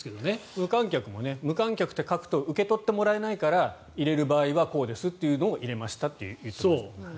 無観客も無観客って書くと受け入れてもらえないから入れる場合はこうですというのを入れましたと言ってましたよね。